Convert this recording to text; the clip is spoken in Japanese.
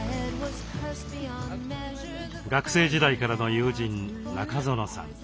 学生時代からの友人中園さん。